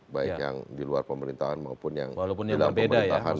baik yang di luar pemerintahan maupun yang di dalam pemerintahan